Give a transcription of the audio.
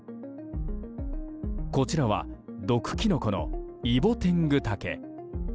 こちらは毒キノコのイボテングタケ。